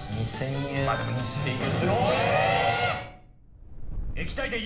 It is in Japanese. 泙でも２０００円。